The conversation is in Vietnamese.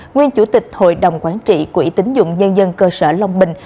nguyên chủ tịch hội đồng quản trị quỹ tính dụng nhân dân cơ sở long bình